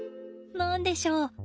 何でしょう